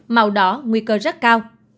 màu đỏ nguy cơ rất cao